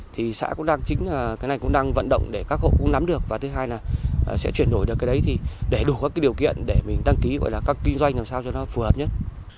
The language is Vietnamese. thì xã cũng đang chính là cái này cũng đang vận động để các hộ cũng nắm được và thứ hai là sẽ chuyển đổi được cái đấy thì để đủ các cái điều kiện để mình đăng ký gọi là các kinh doanh làm sao cho nó phù hợp nhất